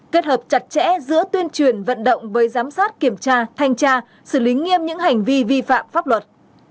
kết hợp chặt chẽ giữa tuyên truyền vận động với giám sát kiểm tra thanh tra xử lý nghiêm những hành vi vi phạm pháp luật